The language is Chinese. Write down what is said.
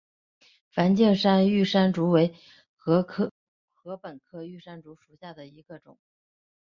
梵净山玉山竹为禾本科玉山竹属下的一个种。